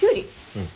うん。